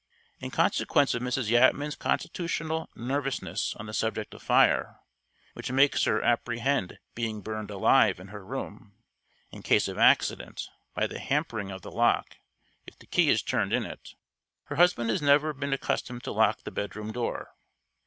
In consequence of Mrs. Yatman's constitutional nervousness on the subject of fire, which makes her apprehend being burned alive in her room, in case of accident, by the hampering of the lock if the key is turned in it, her husband has never been accustomed to lock the bedroom door.